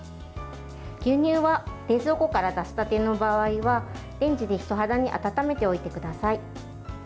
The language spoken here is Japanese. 牛乳は冷蔵庫から出したての場合はレンジで人肌に温めておいてください。